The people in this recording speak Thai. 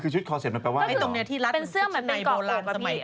คือชุดคอร์เซ็ตมันแปลว่าอะไรหรอเป็นเสื้อแบบในโบราณสมัยก่อน